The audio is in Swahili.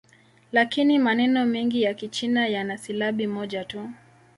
Lakini maneno mengi ya Kichina yana silabi moja tu.